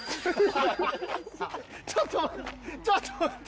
ちょっとちょっと待って！